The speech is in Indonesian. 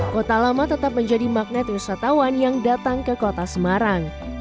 kota lama tetap menjadi magnet wisatawan yang datang ke kota semarang